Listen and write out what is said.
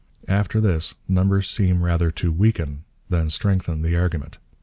After this, numbers seem rather to weaken than strengthen the argument.